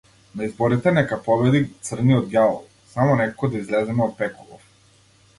На изборите нека победи црниот ѓавол, само некако да излеземе од пеколов!